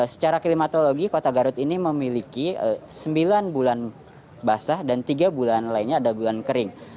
secara klimatologi kota garut ini memiliki sembilan bulan basah dan tiga bulan lainnya ada bulan kering